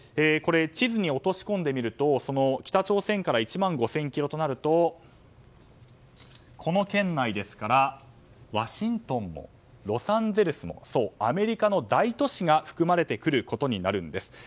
地図に落とし込んでみると北朝鮮から１万５０００ｋｍとなるとこの圏内ですからワシントンも、ロサンゼルスもアメリカの大都市が含まれてくることになるんです。